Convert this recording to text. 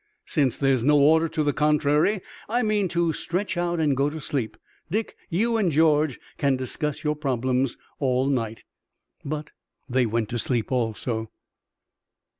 Since there's no order to the contrary I mean to stretch out and go to sleep. Dick, you and George can discuss your problems all night." But they went to sleep also.